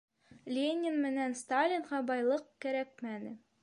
Ленин менән Сталинға байлыҡ кәрәкмәне.